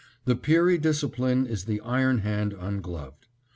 The Peary discipline is the iron hand ungloved.